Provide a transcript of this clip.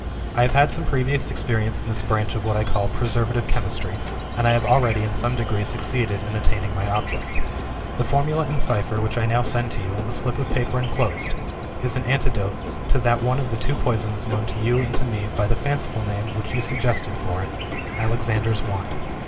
I have had some previous experience in this branch of what I call preservative chemistry, and I have already in some degree succeeded in attaining my object. "The Formula in cipher which I now send to you, on the slip of paper enclosed, is an antidote to that one of the two poisons known to you and to me by the fanciful name which you suggested for it 'Alexander's Wine.'